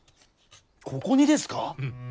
ここにですか！？